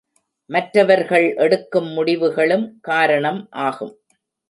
மற்றவர்கள் எடுக்கும் முடிவுகளும் காரணம் ஆகும்.